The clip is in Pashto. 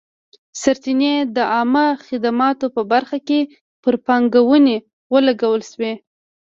سرچینې د عامه خدماتو په برخه کې پر پانګونې ولګول شوې.